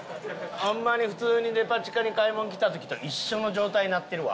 あんまり普通にデパ地下に買い物来た時と一緒の状態になってるわ。